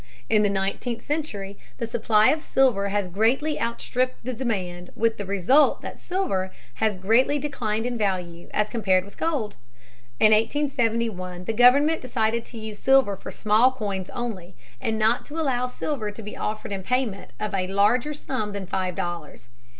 In the nineteenth century the supply of silver has greatly outstripped the demand, with the result that silver has greatly declined in value as compared with gold. In 1871 the government decided to use silver for small coins only, and not to allow silver to be offered in payment of a larger sum than five dollars.